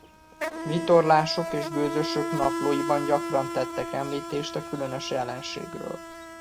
Vitorlások és gőzösök naplóiban gyakran tettek említést a különös jelenségről.